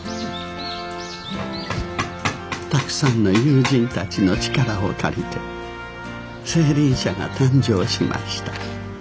たくさんの友人たちの力を借りて青凜社が誕生しました。